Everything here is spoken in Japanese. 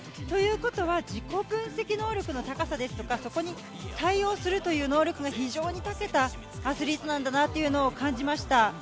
ということは、自己分析能力の高さですとか、そこに対応するという能力が非常にたけたアスリートなんだなっていうのを感じました。